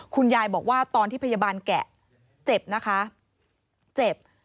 คุณยายบอกว่าตอนที่พยาบาลแกะเจ็บนะคะเจ็บ